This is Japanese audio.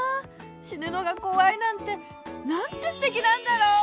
しぬのがこわいなんてなんてすてきなんだろう！